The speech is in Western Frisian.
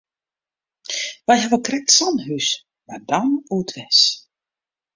Wy hawwe krekt sa'n hús, mar dan oerdwers.